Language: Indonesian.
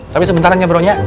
tapi sebentar aja bro nya